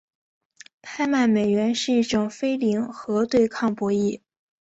拍卖美元是一种非零和对抗博弈。